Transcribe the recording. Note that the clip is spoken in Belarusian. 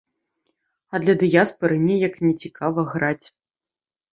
А для дыяспары неяк нецікава граць.